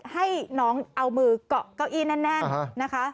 ให้น้องเอามือเกาะเก้าอี้แน่นนะคะ